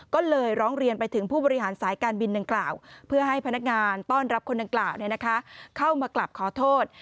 ก็เลยร้องเรียนไปถึงผู้บริหารสายการบินดังกล่าวเพื่อให้พนักงานต้อนรับคนดังกล่าวเข้ามากลับขอโทษ